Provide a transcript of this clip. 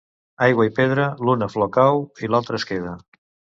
Aigua i pedra, l'una flor cau i l'altra es queda.